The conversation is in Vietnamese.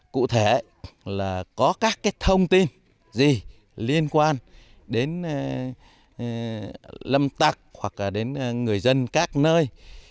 cụ thể là có các thông tin gì liên quan đến lâm tạc hoặc là đến người dân các nơi